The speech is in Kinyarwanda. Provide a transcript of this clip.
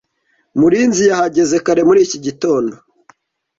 Murinzi yahageze kare muri iki gitondo.